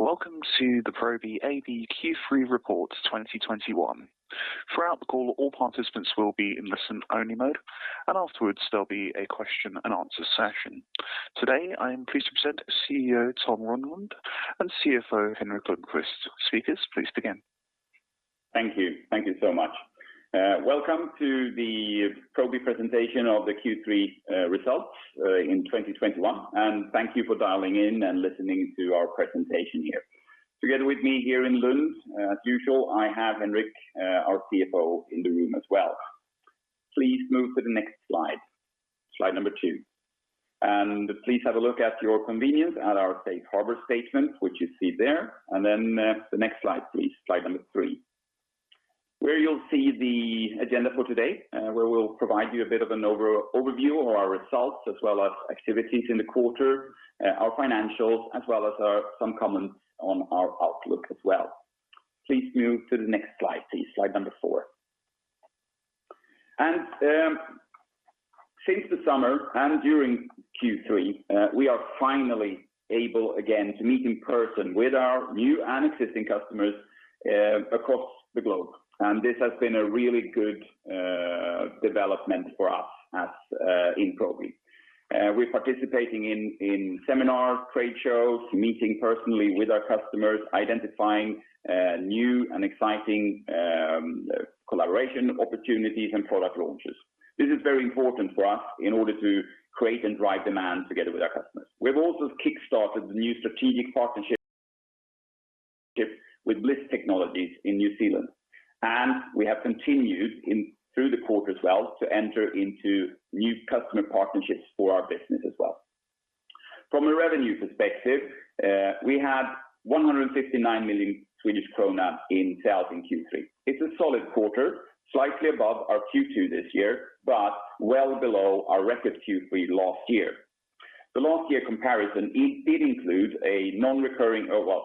Welcome to the Probi AB Q3 Report 2021. Throughout the call, all participants will be in listen-only mode, and afterwards, there will be a question and answer session. Today, I am pleased to present CEO Tom Rönnlund and CFO Henrik Lundkvist. Speakers, please begin. Thank you so much. Welcome to the Probi presentation of the Q3 results in 2021, and thank you for dialing in and listening to our presentation here. Together with me here in Lund, as usual, I have Henrik, our CFO, in the room as well. Please move to the next slide number two. Please have a look at your convenience at our safe harbor statement, which you see there. The next slide, please, slide number three, where you'll see the agenda for today, where we'll provide you a bit of an overview of our results as well as activities in the quarter, our financials, as well as some comments on our outlook as well. Please move to the next slide, please, slide number two. Since the summer and during Q3, we are finally able again to meet in person with our new and existing customers across the globe. This has been a really good development for us in Probi. We're participating in seminars, trade shows, meeting personally with our customers, identifying new and exciting collaboration opportunities and product launches. This is very important for us in order to create and drive demand together with our customers. We've also kickstarted the new strategic partnership with Blis Technologies in New Zealand, and we have continued through the quarter as well to enter into new customer partnerships for our business as well. From a revenue perspective, we had 159 million Swedish krona in sales in Q3. It's a solid quarter, slightly above our Q2 this year, but well below our record Q3 last year. The last year comparison did include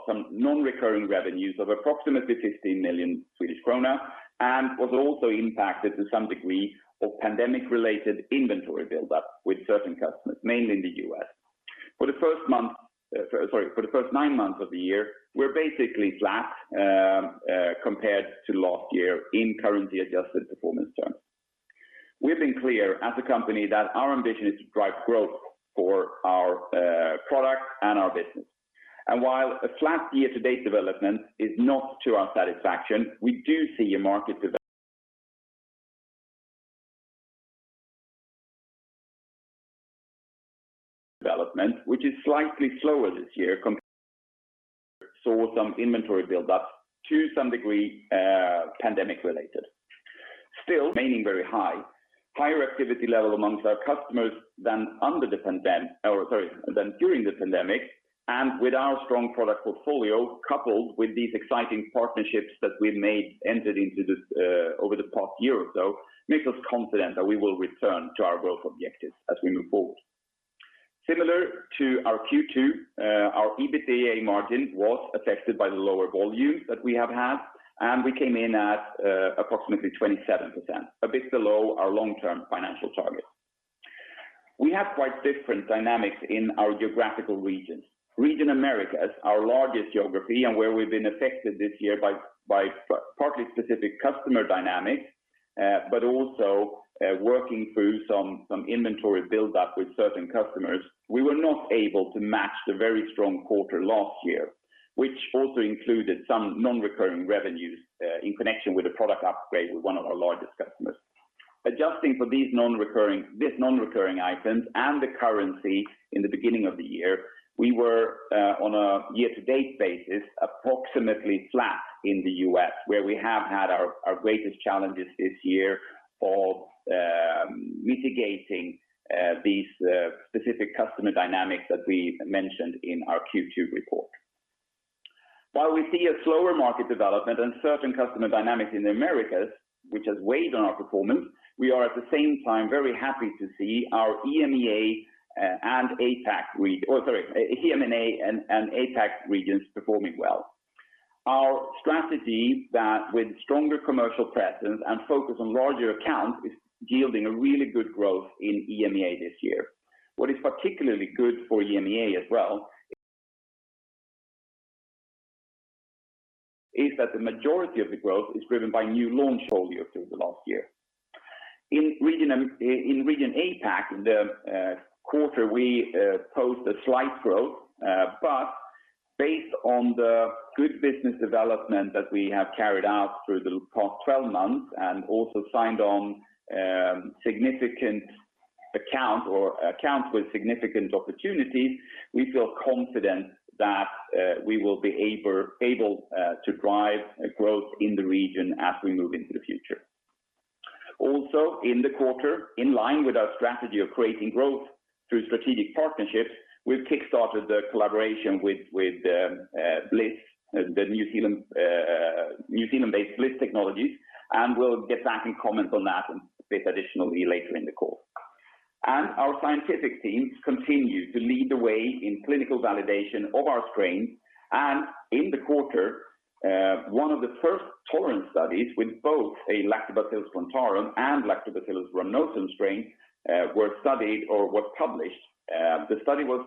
some non-recurring revenues of approximately 15 million Swedish kronor and was also impacted to some degree of pandemic-related inventory buildup with certain customers, mainly in the U.S. For the first 9 months of the year, we're basically flat compared to last year in currency-adjusted performance terms. We've been clear as a company that our ambition is to drive growth for our product and our business. While a flat year-to-date development is not to our satisfaction, we do see a market development which is slightly slower this year. Saw some inventory buildup, to some degree, pandemic-related, still remaining very high. Higher activity level amongst our customers than during the pandemic, and with our strong product portfolio, coupled with these exciting partnerships that we've entered into over the past year or so, makes us confident that we will return to our growth objectives as we move forward. Similar to our Q2, our EBITDA margin was affected by the lower volume that we have had, and we came in at approximately 27%, a bit below our long-term financial target. We have quite different dynamics in our geographical regions. Region America is our largest geography and where we've been affected this year by partly specific customer dynamics, but also working through some inventory buildup with certain customers. We were not able to match the very strong quarter last year, which also included some non-recurring revenues in connection with a product upgrade with one of our largest customers. Adjusting for these non-recurring items and the currency in the beginning of the year, we were, on a year-to-date basis, approximately flat in the U.S., where we have had our greatest challenges this year of mitigating these specific customer dynamics that we mentioned in our Q2 report. While we see a slower market development and certain customer dynamics in the Americas, which has weighed on our performance, we are at the same time very happy to see our EMEA and APAC regions performing well. Our strategy that with stronger commercial presence and focus on larger accounts is yielding a really good growth in EMEA this year. What is particularly good for EMEA as well is that the majority of the growth is driven by new launch through the last year. In region APAC, in the quarter, we post a slight growth, but based on the good business development that we have carried out through the past 12 months and also signed on significant account or accounts with significant opportunities, we feel confident that we will be able to drive growth in the region as we move into the future. Also in the quarter, in line with our strategy of creating growth through strategic partnerships, we've kickstarted the collaboration with Blis, the New Zealand-based Blis Technologies, and we'll get back and comment on that a bit additionally later in the call. Our scientific teams continue to lead the way in clinical validation of our strains. In the quarter, one of the first tolerance studies with both a Lactobacillus plantarum and Lactobacillus rhamnosus strain was published. The study was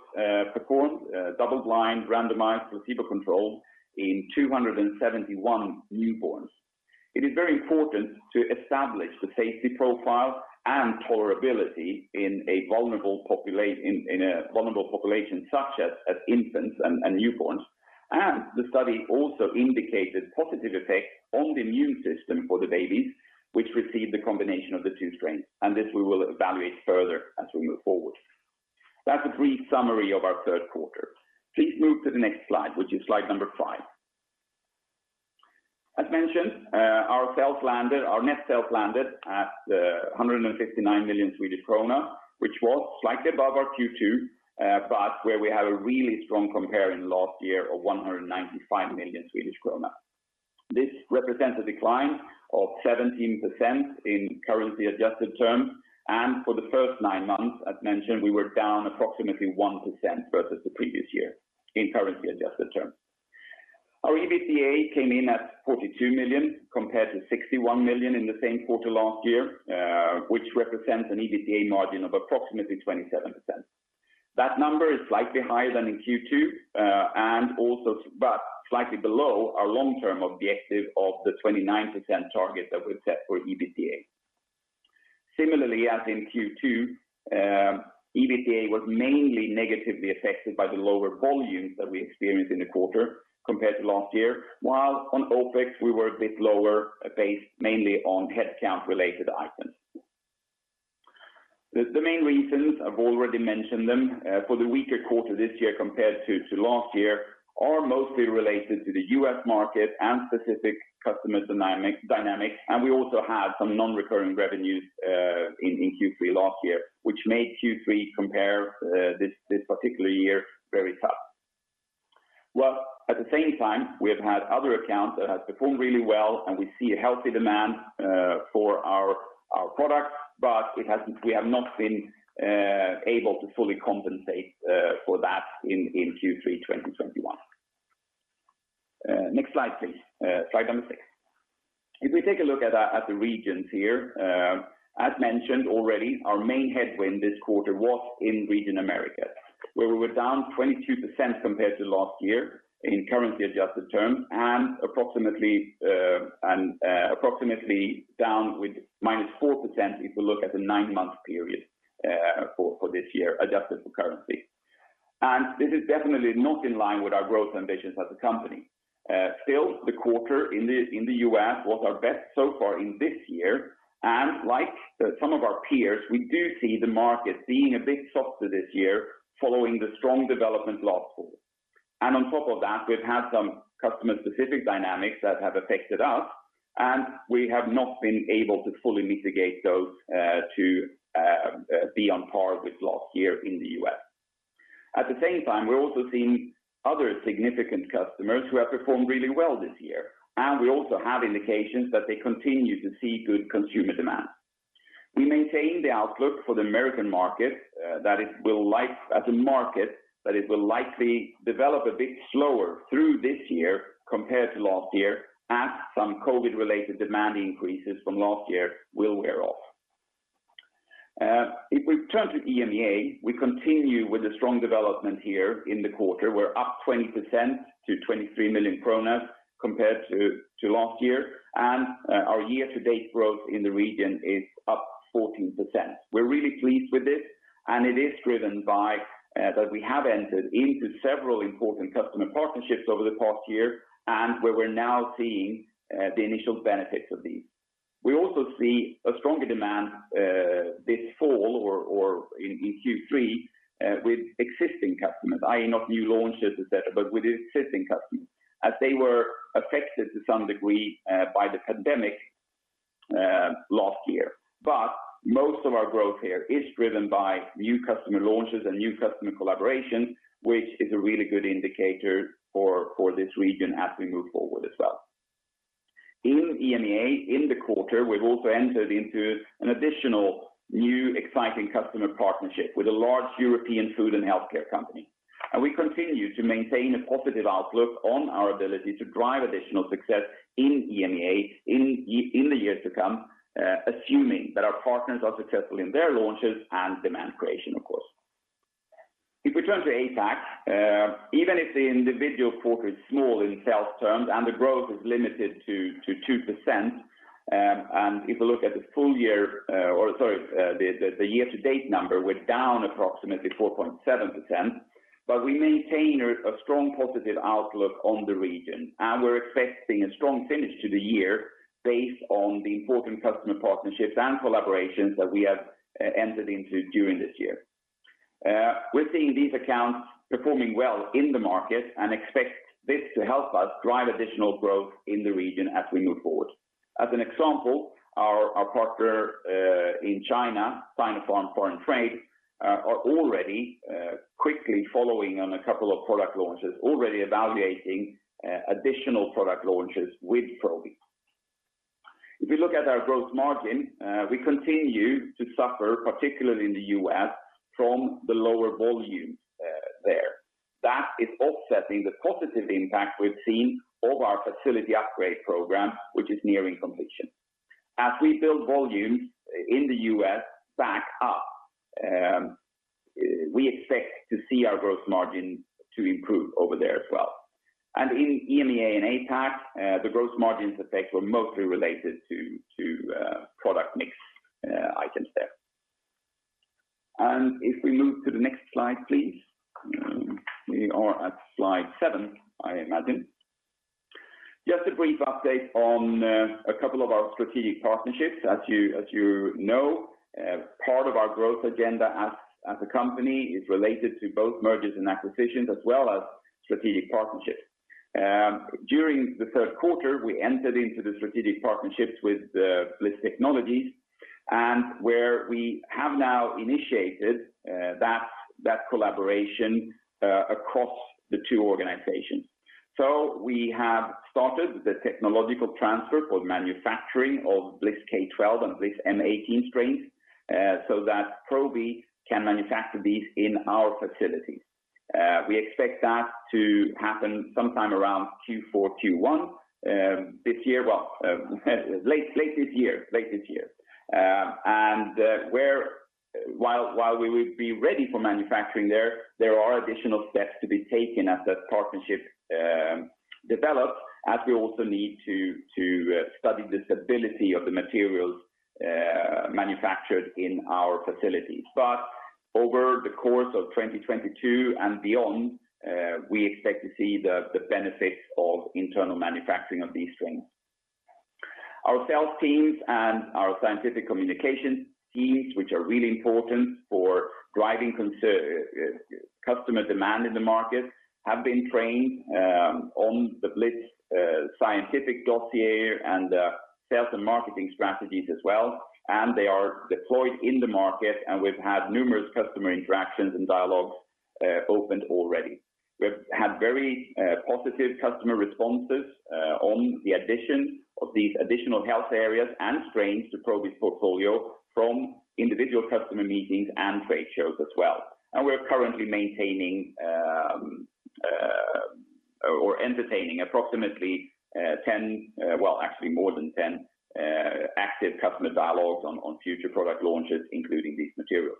performed double-blind, randomized, placebo-controlled in 271 newborns. It is very important to establish the safety profile and tolerability in a vulnerable population such as infants and newborns. The study also indicated positive effects on the immune system for the babies which received the combination of the two strains. This we will evaluate further as we move forward. That's a brief summary of our third quarter. Please move to the next slide, which is slide number five. As mentioned, our net sales landed at 159 million Swedish krona, which was slightly above our Q2, but where we have a really strong compare in last year of 195 million Swedish krona. This represents a decline of 17% in currency adjusted terms, and for the first nine months, as mentioned, we were down approximately 1% versus the previous year in currency adjusted terms. Our EBITDA came in at 42 million compared to 61 million in the same quarter last year, which represents an EBITDA margin of approximately 27%. That number is slightly higher than in Q2, but slightly below our long-term objective of the 29% target that we've set for EBITDA. Similarly, as in Q2, EBITDA was mainly negatively affected by the lower volumes that we experienced in the quarter compared to last year, while on OPEX, we were a bit lower based mainly on headcount related items. The main reasons, I've already mentioned them, for the weaker quarter this year compared to last year are mostly related to the U.S. market and specific customer dynamics. We also had some non-recurring revenues in Q3 last year, which made Q3 compare this particular year very tough. While at the same time, we have had other accounts that have performed really well, and we see a healthy demand for our products, but we have not been able to fully compensate for that in Q3 2021. Next slide, please. Slide number 6. If we take a look at the regions here, as mentioned already, our main headwind this quarter was in region Americas, where we were down 22% compared to last year in currency adjusted terms, and approximately down with -4% if we look at the 9 months period for this year, adjusted for currency. This is definitely not in line with our growth ambitions as a company. Still, the quarter in the U.S. was our best so far in this year, and like some of our peers, we do see the market being a bit softer this year following the strong development last quarter. On top of that, we've had some customer specific dynamics that have affected us, and we have not been able to fully mitigate those to be on par with last year in the U.S. At the same time, we're also seeing other significant customers who have performed really well this year, and we also have indications that they continue to see good consumer demand. We maintain the outlook for the American market, that as a market, that it will likely develop a bit slower through this year compared to last year, as some COVID related demand increases from last year will wear off. We turn to EMEA, we continue with a strong development here in the quarter. We're up 20% to 23 million kronor compared to last year, and our year to date growth in the region is up 14%. We're really pleased with this. It is driven by that we have entered into several important customer partnerships over the past year, where we're now seeing the initial benefits of these. We also see a stronger demand this fall or in Q3 with existing customers, i.e., not new launches, et cetera, but with existing customers, as they were affected to some degree by the pandemic last year. Most of our growth here is driven by new customer launches and new customer collaborations, which is a really good indicator for this region as we move forward as well. In EMEA, in the quarter, we've also entered into an additional new exciting customer partnership with a large European food and healthcare company. We continue to maintain a positive outlook on our ability to drive additional success in EMEA in the years to come, assuming that our partners are successful in their launches and demand creation, of course. If we turn to APAC, even if the individual quarter is small in sales terms and the growth is limited to 2%, and if you look at the year-to-date number, we're down approximately 4.7%, but we maintain a strong positive outlook on the region. We're expecting a strong finish to the year based on the important customer partnerships and collaborations that we have entered into during this year. We're seeing these accounts performing well in the market and expect this to help us drive additional growth in the region as we move forward. As an example, our partner in China, Sinopharm Foreign Trade, are already quickly following on a couple of product launches, already evaluating additional product launches with Probi. If we look at our gross margin, we continue to suffer, particularly in the U.S., from the lower volume there. That is offsetting the positive impact we've seen of our facility upgrade program, which is nearing completion. As we build volumes in the U.S. back up, we expect to see our gross margin to improve over there as well. In EMEA and APAC, the gross margins effects were mostly related to product mix items there. If we move to the next slide, please. We are at slide seven, I imagine. Just a brief update on two of our strategic partnerships. As you know, part of our growth agenda as a company is related to both mergers and acquisitions as well as strategic partnerships. During the third quarter, we entered into the strategic partnerships with the Blis Technologies, and where we have now initiated that collaboration across the two organizations. We have started the technological transfer for manufacturing of BLIS K12 and BLIS M18 strains, so that Probi can manufacture these in our facilities. We expect that to happen sometime around Q4, Q1 this year, well, late this year. While we will be ready for manufacturing there are additional steps to be taken as that partnership develops, as we also need to study the stability of the materials manufactured in our facilities. Over the course of 2022 and beyond, we expect to see the benefits of internal manufacturing of these strains. Our sales teams and our scientific communication teams, which are really important for driving customer demand in the market, have been trained on the Blis scientific dossier and sales and marketing strategies as well. They are deployed in the market. We've had numerous customer interactions and dialogues opened already. We've had very positive customer responses on the addition of these additional health areas and strains to Probi's portfolio from individual customer meetings and trade shows as well. We're currently maintaining or entertaining approximately 10, well, actually more than 10, active customer dialogues on future product launches, including these materials.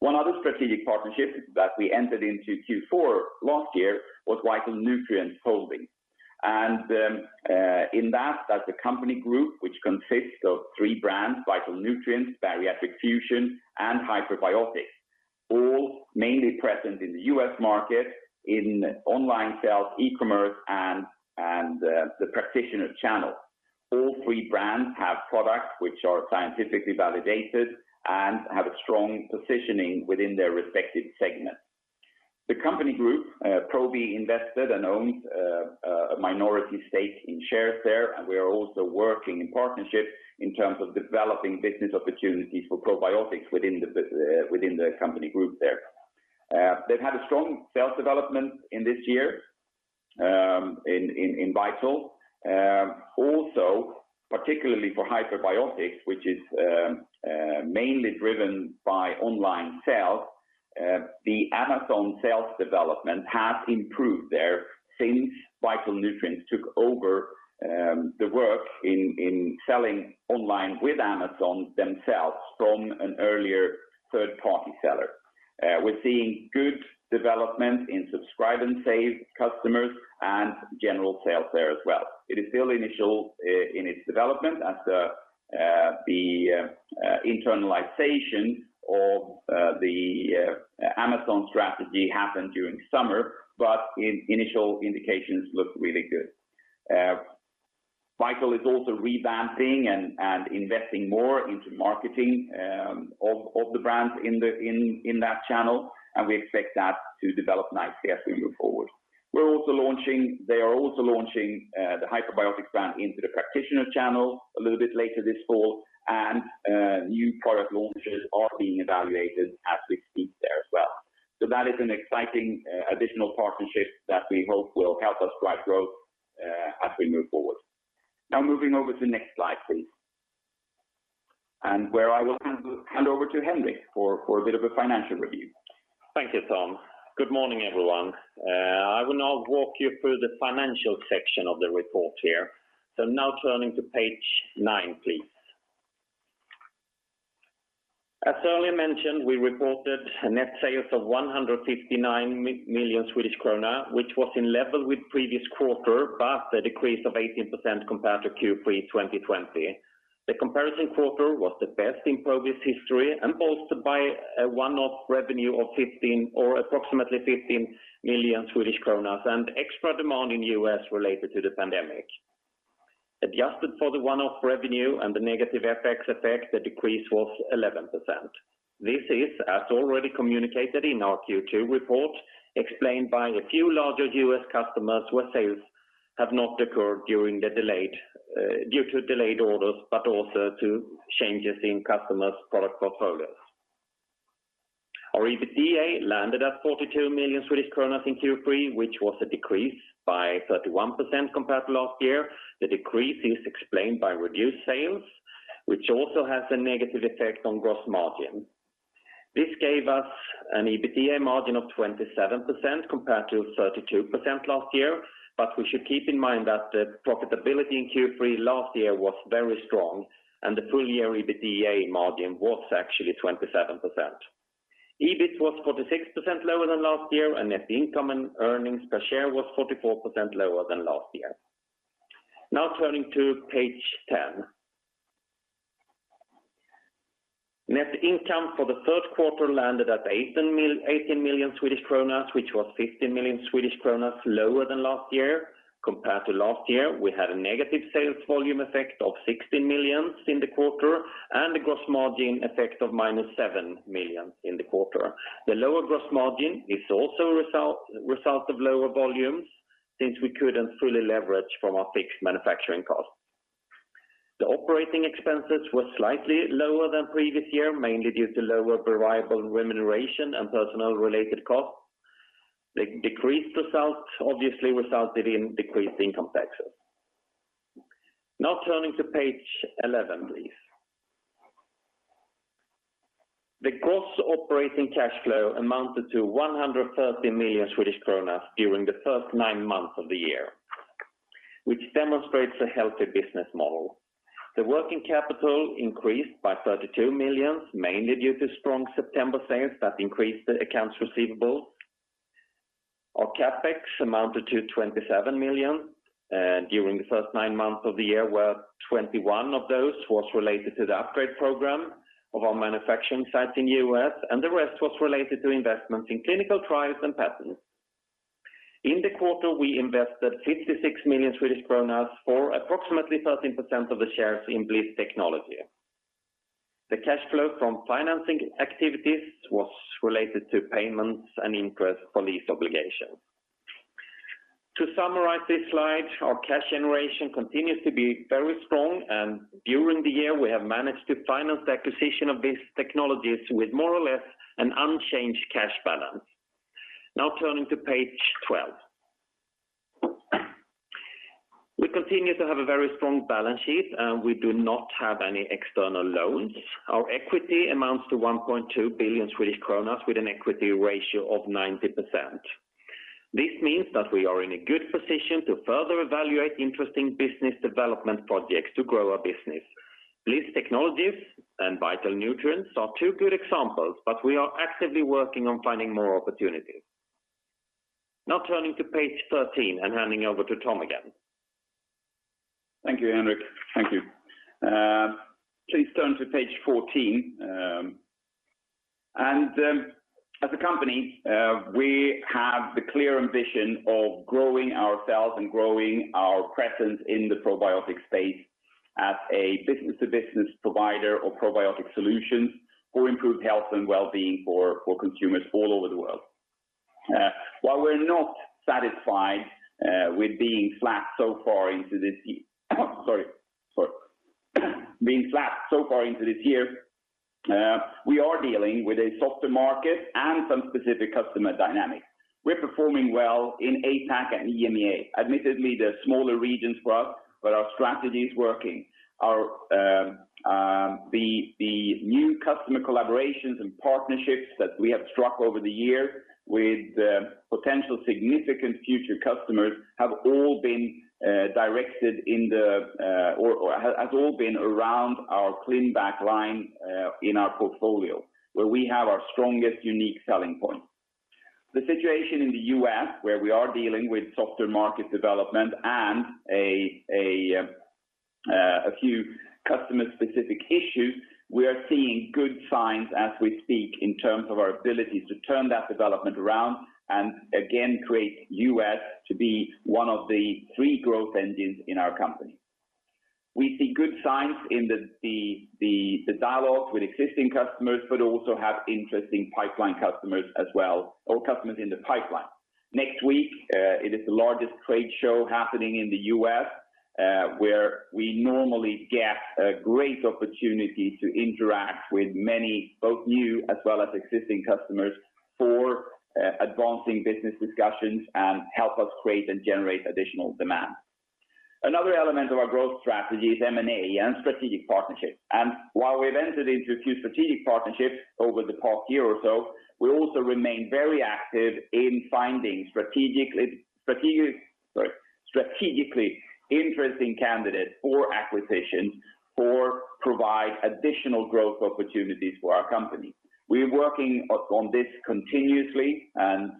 One other strategic partnership that we entered into Q4 last year was Vital Nutrients Holdings. In that's a company group which consists of three brands, Vital Nutrients, Bariatric Fusion, and Hyperbiotics, all mainly present in the U.S. market in online sales, e-commerce, and the practitioner channel. All three brands have products which are scientifically validated and have a strong positioning within their respective segments. The company group, Probi invested and owns a minority stake in shares there, and we are also working in partnership in terms of developing business opportunities for probiotics within the company group there. They've had a strong sales development in this year in Vital. Also, particularly for Hyperbiotics, which is mainly driven by online sales, the Amazon sales development has improved there since Vital Nutrients took over the work in selling online with Amazon themselves from an earlier third-party seller. We're seeing good development in subscribe and save customers and general sales there as well. It is still initial in its development as the internalization of the Amazon strategy happened during summer, but initial indications look really good. Vital Nutrients is also revamping and investing more into marketing of the brands in that channel, and we expect that to develop nicely as we move forward. They are also launching the Hyperbiotics brand into the practitioner channel a little bit later this fall, and new product launches are being evaluated as we speak there as well. That is an exciting additional partnership that we hope will help us drive growth as we move forward. Now moving over to the next slide, please. Where I will hand over to Henrik Lundkvist for a bit of a financial review. Thank you, Tom. Good morning, everyone. I will now walk you through the financial section of the report here. Now turning to page nine, please. As earlier mentioned, we reported net sales of 159 million Swedish krona, which was in level with previous quarter, a decrease of 18% compared to Q3 2020. The comparison quarter was the best in Probi's history, bolstered by a one-off revenue of approximately 15 million Swedish kronor and extra demand in U.S. related to the pandemic. Adjusted for the one-off revenue and the negative FX effect, the decrease was 11%. This is, as already communicated in our Q2 report, explained by a few larger U.S. customers where sales have not occurred due to delayed orders, also to changes in customers' product portfolios. Our EBITDA landed at 42 million Swedish kronor in Q3, which was a decrease by 31% compared to last year. The decrease is explained by reduced sales, which also has a negative effect on gross margin. This gave us an EBITDA margin of 27% compared to 32% last year, but we should keep in mind that the profitability in Q3 last year was very strong and the full year EBITDA margin was actually 27%. EBIT was 46% lower than last year, and net income and earnings per share was 44% lower than last year. Now turning to page 10. Net income for the third quarter landed at 18 million Swedish kronor, which was 15 million Swedish kronor lower than last year. Compared to last year, we had a negative sales volume effect of 16 million in the quarter and a gross margin effect of -7 million in the quarter. The lower gross margin is also a result of lower volumes, since we couldn't fully leverage from our fixed manufacturing cost. The operating expenses were slightly lower than previous year, mainly due to lower variable remuneration and personnel related costs. The decreased results obviously resulted in decreased income taxes. Now turning to page 11, please. The gross operating cash flow amounted to 130 million Swedish kronor during the first nine months of the year, which demonstrates a healthy business model. The working capital increased by 32 million, mainly due to strong September sales that increased the accounts receivable. Our CapEx amounted to 27 million during the first nine months of the year, where 21 of those was related to the upgrade program of our manufacturing sites in the U.S., and the rest was related to investments in clinical trials and patents. In the quarter, we invested 56 million Swedish kronor, or approximately 13% of the shares in Blis Technologies. The cash flow from financing activities was related to payments and interest for lease obligations. To summarize this slide, our cash generation continues to be very strong, and during the year, we have managed to finance the acquisition of these technologies with more or less an unchanged cash balance. Turning to page 12. We continue to have a very strong balance sheet, and we do not have any external loans. Our equity amounts to 1.2 billion Swedish kronor with an equity ratio of 90%. This means that we are in a good position to further evaluate interesting business development projects to grow our business. Blis Technologies and Vital Nutrients are two good examples, but we are actively working on finding more opportunities. Now turning to page 13 and handing over to Tom again. Thank you, Henrik Lundkvist. Thank you. Please turn to page 14. As a company, we have the clear ambition of growing ourselves and growing our presence in the probiotic space as a business-to-business provider of probiotic solutions for improved health and well-being for consumers all over the world. While we're not satisfied with being flat so far into this year, we are dealing with a softer market and some specific customer dynamics. We're performing well in APAC and EMEA. Admittedly, they're smaller regions for us, but our strategy is working. The new customer collaborations and partnerships that we have struck over the year with potential significant future customers have all been directed or have all been around our ClinBac line in our portfolio, where we have our strongest unique selling point. The situation in the U.S., where we are dealing with softer market development and a few customer specific issues, we are seeing good signs as we speak in terms of our abilities to turn that development around and again create U.S. to be one of the three growth engines in our company. We see good signs in the dialogue with existing customers, but also have interesting pipeline customers as well, or customers in the pipeline. Next week, it is the largest trade show happening in the U.S., where we normally get a great opportunity to interact with many, both new as well as existing customers for advancing business discussions and help us create and generate additional demand. Another element of our growth strategy is M&A and strategic partnerships. While we've entered into a few strategic partnerships over the past year or so, we also remain very active in finding strategically interesting candidates for acquisitions or provide additional growth opportunities for our company. We're working on this continuously and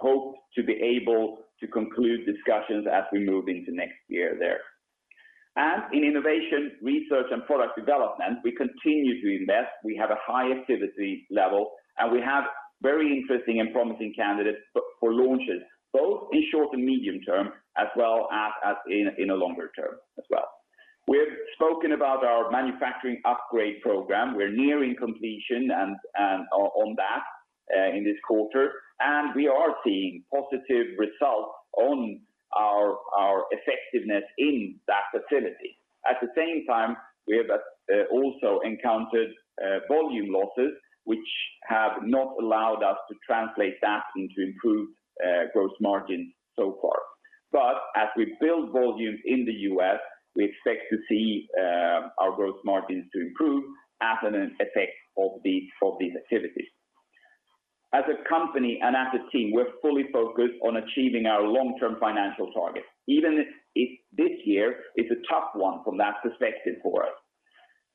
hope to be able to conclude discussions as we move into next year there. In innovation, research, and product development, we continue to invest. We have a high activity level, and we have very interesting and promising candidates for launches, both in short and medium term, as well as in a longer term as well. We've spoken about our manufacturing upgrade program. We're nearing completion on that. In this quarter, we are seeing positive results on our effectiveness in that facility. At the same time, we have also encountered volume losses, which have not allowed us to translate that into improved gross margin so far. As we build volume in the US, we expect to see our gross margins to improve as an effect of these activities. As a company and as a team, we're fully focused on achieving our long-term financial targets, even if this year is a tough one from that perspective for us.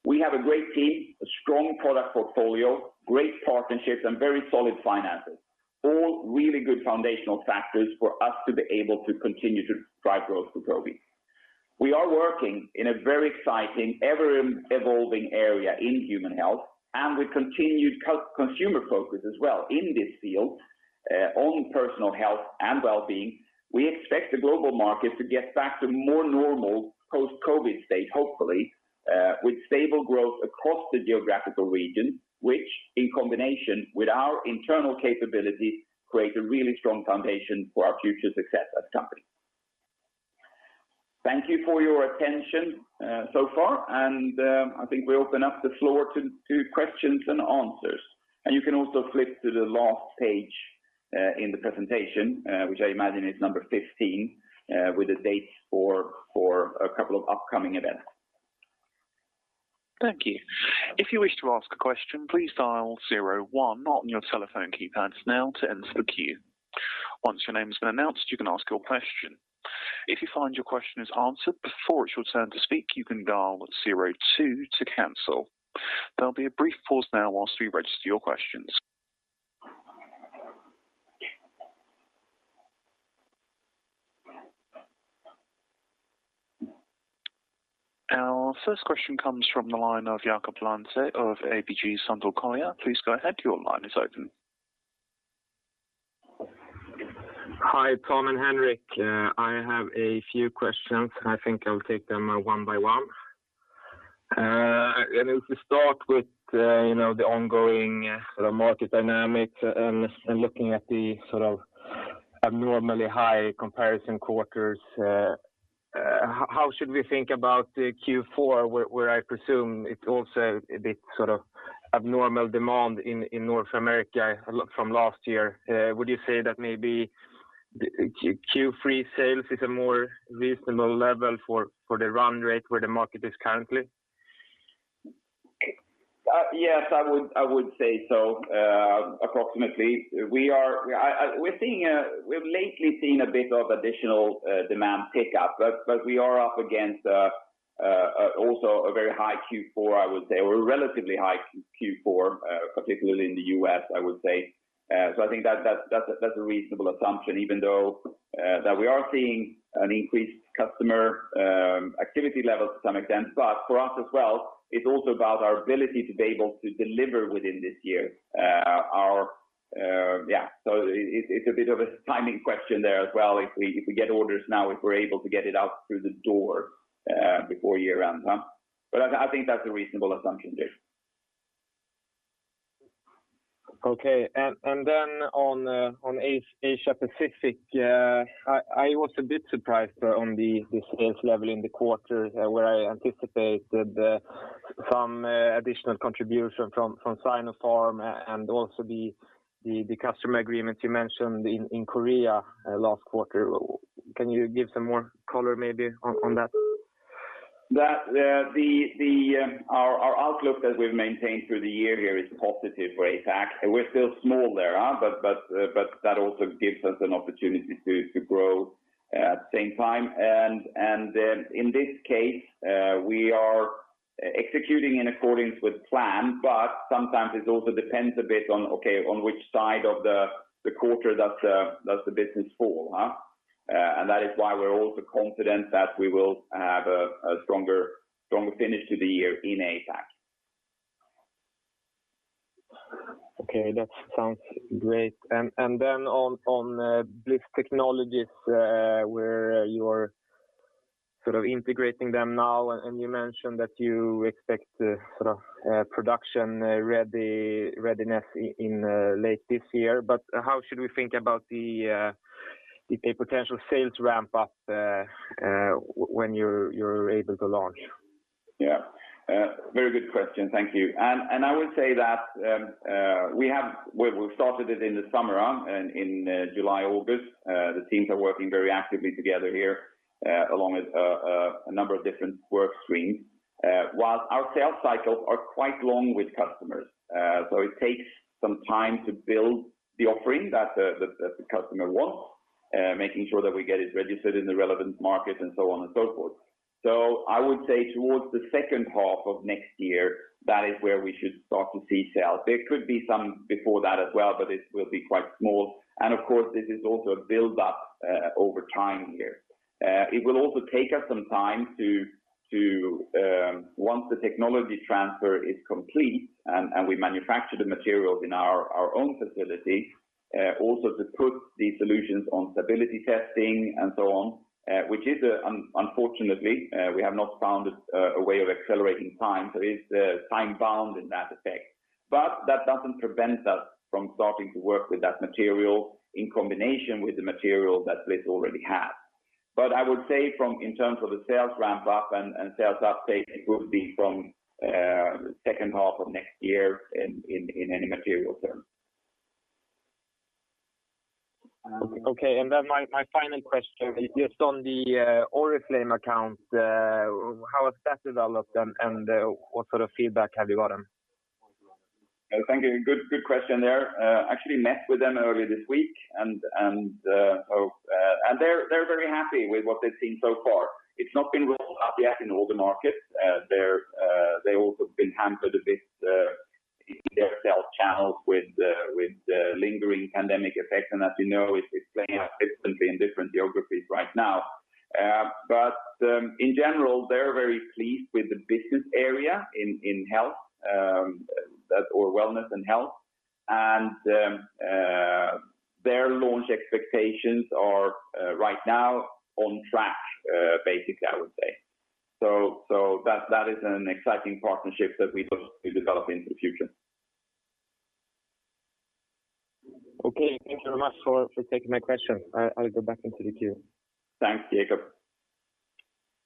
We have a great team, a strong product portfolio, great partnerships, and very solid finances. All really good foundational factors for us to be able to continue to drive growth for Probi. We are working in a very exciting, ever-evolving area in human health, and with continued consumer focus as well in this field on personal health and wellbeing. We expect the global market to get back to more normal post-COVID state, hopefully, with stable growth across the geographical region, which in combination with our internal capability, creates a really strong foundation for our future success as a company. Thank you for your attention so far. I think we open up the floor to questions and answers. You can also flip to the last page in the presentation, which I imagine is number 15, with the dates for a couple of upcoming events. Thank you. If you wish to ask a question, please dial 01 on your telephone keypads now to enter the queue. Once your name has been announced, you can ask your question. If you find your question is answered before it is your turn to speak, you can dial 02 to cancel. There'll be a brief pause now while we register your questions. Our first question comes from the line of Jakob Landse of ABG Sundal Collier. Please go ahead. Your line is open. Hi, Tom and Henrik. I have a few questions. I think I'll take them one by one. If we start with the ongoing sort of market dynamics and looking at the abnormally high comparison quarters, how should we think about Q4, where I presume it also a bit abnormal demand in North America from last year? Would you say that maybe Q3 sales is a more reasonable level for the run rate where the market is currently? Yes, I would say so, approximately. We've lately seen a bit of additional demand pickup, but we are up against also a very high Q4, I would say, or a relatively high Q4, particularly in the U.S., I would say. I think that's a reasonable assumption, even though that we are seeing an increased customer activity level to some extent. For us as well, it's also about our ability to be able to deliver within this year. It's a bit of a timing question there as well, if we get orders now, if we're able to get it out through the door before year-end. I think that's a reasonable assumption there. Okay. On Asia Pacific, I was a bit surprised on the sales level in the quarter where I anticipated some additional contribution from Sinopharm and also the customer agreements you mentioned in Korea last quarter. Can you give some more color maybe on that? Our outlook that we've maintained through the year here is positive for APAC. We're still small there. That also gives us an opportunity to grow at the same time. In this case, we are executing in accordance with plan, sometimes it also depends a bit on, okay, on which side of the quarter does the business fall. That is why we're also confident that we will have a stronger finish to the year in APAC. Okay. That sounds great. On Blis Technologies, where you're sort of integrating them now, you mentioned that you expect sort of production readiness in late this year. How should we think about the potential sales ramp-up, when you're able to launch? Yeah. Very good question. Thank you. I would say that, we've started it in the summer, in July, August. The teams are working very actively together here, along with a number of different work streams. While our sales cycles are quite long with customers, so it takes some time to build the offering that the customer wants, making sure that we get it registered in the relevant market and so on and so forth. I would say towards the 2nd half of next year, that is where we should start to see sales. There could be some before that as well, but it will be quite small. Of course, this is also a build-up over time here. It will also take us some time to, once the technology transfer is complete and we manufacture the materials in our own facility. Also to put these solutions on stability testing and so on, which unfortunately, we have not found a way of accelerating time, so it is time bound in that effect. That doesn't prevent us from starting to work with that material in combination with the material that Blis already have. I would say in terms of the sales ramp up and sales uptake, it would be from the second half of next year in any material term. Okay. My final question is just on the Oriflame account, how has that developed, and what sort of feedback have you gotten? Thank you. Good question there. Actually met with them earlier this week, and they're very happy with what they've seen so far. It's not been rolled up yet in all the markets. They also have been hampered a bit in their sales channels with the lingering pandemic effect. As you know, it's playing out differently in different geographies right now. In general, they're very pleased with the business area in wellness and health. Their launch expectations are right now on track, basically, I would say. That is an exciting partnership that we look to develop into the future. Okay. Thank you very much for taking my question. I'll go back into the queue. Thanks, Jakob.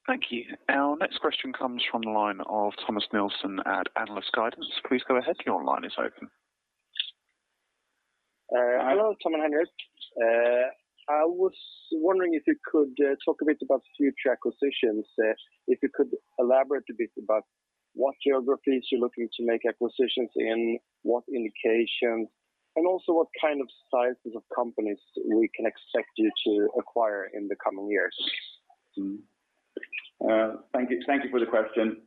Thank you. Our next question comes from the line of Thomas Nilsson at Analysguiden. Please go ahead. Your line is open. Hello, Tom and Henrik. I was wondering if you could talk a bit about future acquisitions. If you could elaborate a bit about what geographies you're looking to make acquisitions in, what indications, and also what kind of sizes of companies we can expect you to acquire in the coming years? Thank you for the question.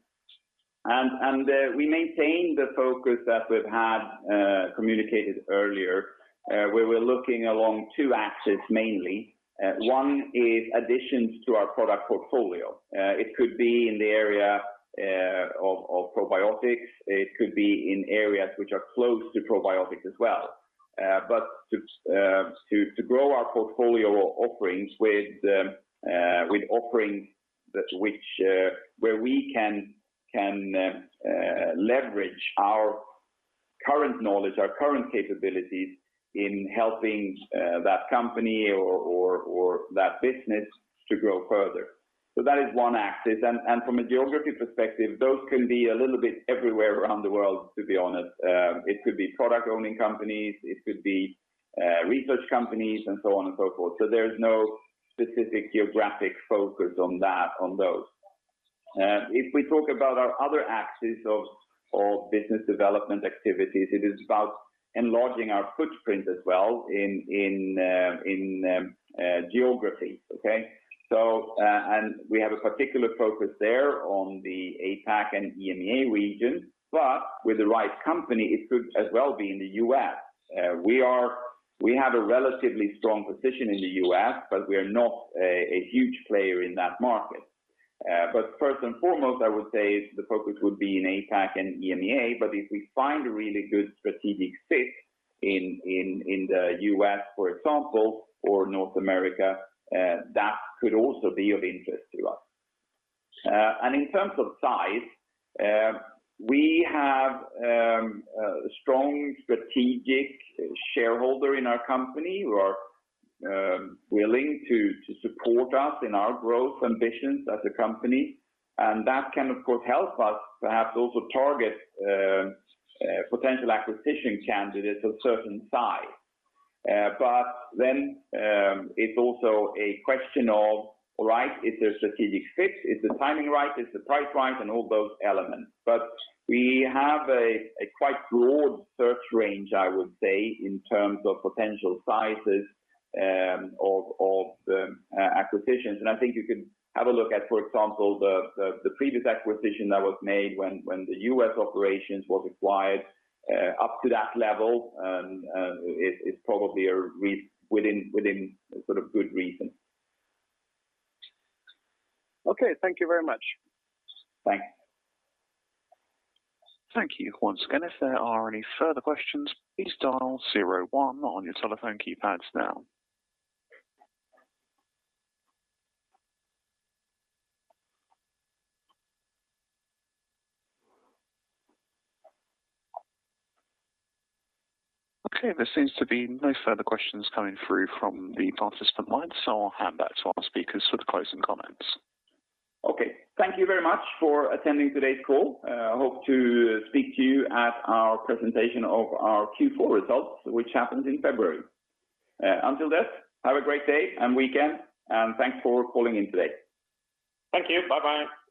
We maintain the focus that we've had communicated earlier, where we're looking along two axes mainly. One is additions to our product portfolio. It could be in the area of probiotics. It could be in areas which are close to probiotics as well. To grow our portfolio of offerings with offerings where we can leverage our current knowledge, our current capabilities in helping that company or that business to grow further. That is one axis, and from a geography perspective, those can be a little bit everywhere around the world, to be honest. It could be product-owning companies, it could be research companies, and so on and so forth. There is no specific geographic focus on those. If we talk about our other axis of business development activities, it is about enlarging our footprint as well in geography. Okay? We have a particular focus there on the APAC and EMEA region. With the right company, it could as well be in the U.S. We have a relatively strong position in the U.S., but we are not a huge player in that market. First and foremost, I would say the focus would be in APAC and EMEA, but if we find a really good strategic fit in the U.S., for example, or North America, that could also be of interest to us. In terms of size, we have a strong strategic shareholder in our company who are willing to support us in our growth ambitions as a company. That can, of course, help us perhaps also target potential acquisition candidates of certain size. Then i fit's also a question of why it is strategic space into timing right into primary rights and all those elements. We have a quite broad search range, I would say, in terms of potential sizes of acquisitions. I think you can have a look at, for example, the previous acquisition that was made when the U.S. operations was acquired up to that level. It's probably within sort of good reason. Okay. Thank you very much. Thanks. Thank you once again. If there are any further questions, please dial 01 on your telephone keypads now. Okay, there seems to be no further questions coming through from the participant line, so I'll hand back to our speakers for the closing comments. Okay. Thank you very much for attending today's call. Hope to speak to you at our presentation of our Q4 results, which happens in February. Until then, have a great day and weekend, and thanks for calling in today. Thank you. Bye-bye.